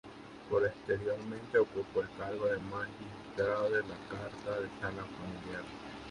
Posteriormente ocupó el cargo de Magistrado de la Cuarta Sala Familiar.